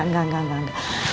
enggak enggak enggak